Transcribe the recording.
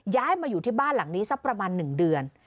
ย้ายมาอยู่ที่บ้านหลังนี้สักประมาณ๑เดือน